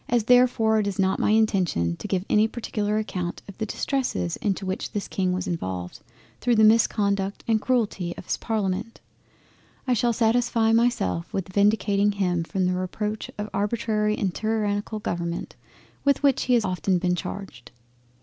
—As therefore it is not my intention to give any particular account of the distresses into which this King was involved through the misconduct and Cruelty of his Parliament, I shall satisfy myself with vindicating him from the Reproach of Arbitrary and tyrannical Government with which he has often been charged.